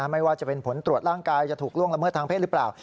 ไม่ว่าจะเป็นผลตรวจร่างกายจะถูกล่วงละเมิดทางเพศหรือเปล่า